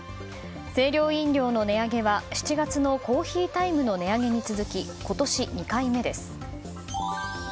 清涼飲料の値上げは７月の珈琲たいむの値上げに続き今年で２回目です。